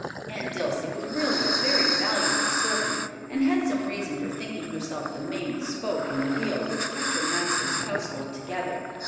Aunt Dilsey was really a very valuable servant, and had some reason for thinking herself the main spoke in the wheel which kept her master's household together.